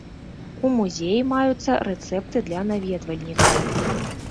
У музеі маюцца рэцэпты для наведвальнікаў.